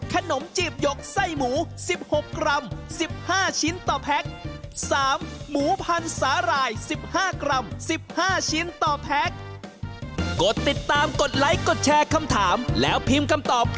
๒ขนมจีบหยกไส้หมู๑๖กรัม๑๕ชิ้นต่อแพ็ก